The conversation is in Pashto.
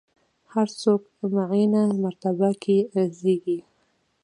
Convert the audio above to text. هر څوک معینه مرتبه کې زېږي.